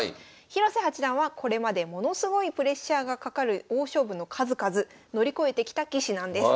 広瀬八段はこれまでものすごいプレッシャーがかかる大勝負の数々乗り越えてきた棋士なんです。